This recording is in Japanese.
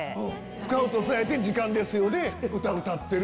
スカウトされて『時間ですよ』で歌歌ってる。